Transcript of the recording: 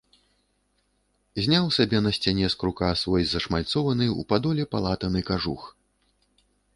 Зняў сабе на сцяне з крука свой зашмальцованы ў падоле палатаны кажух.